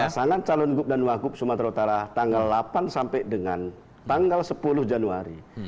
pasangan calon gub dan wagub sumatera utara tanggal delapan sampai dengan tanggal sepuluh januari